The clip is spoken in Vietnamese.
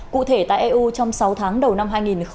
cụ thể tại eu trong sáu tháng đầu năm hai nghìn hai mươi